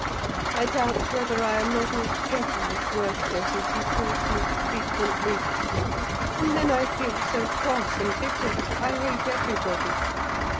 I doubt whether I am not altogether as worthless as he calls me, frequently; and then I feel so cross and bitter, I hate everybody!